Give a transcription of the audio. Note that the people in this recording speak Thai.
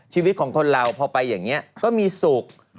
ชีวิตของคนเราพอไปอย่างนี้ก็มีสุข